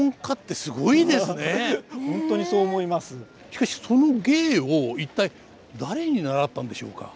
しかしその芸を一体誰に習ったんでしょうか？